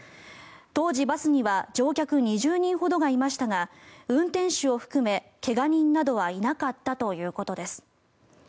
当時、バスには乗客２０人ほどがいましたが運転手を含め怪我人などはいなかったということです。